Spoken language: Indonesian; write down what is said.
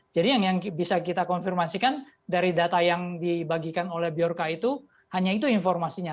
jadi yang bisa kita konfirmasikan dari data yang dibagikan oleh bin itu hanya itu informasinya